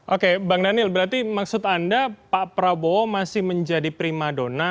oke bang daniel berarti maksud anda pak prabowo masih menjadi prima dona